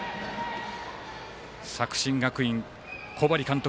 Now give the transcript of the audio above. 作新学院、小針監督